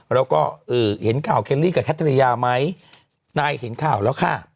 แล้วก็เห็นข่าวเคลลี่กับแคทริยาไหมนายเห็นข่าวแล้วค่ะ